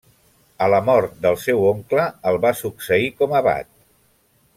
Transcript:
A la mort del seu oncle el va succeir com abat.